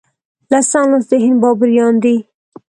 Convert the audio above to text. لسم لوست د هند بابریان دي.